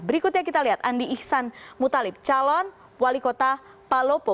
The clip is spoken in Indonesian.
berikutnya kita lihat andi ihsan mutalib calon wali kota palopo